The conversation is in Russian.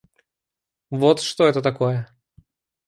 Вот что это такое.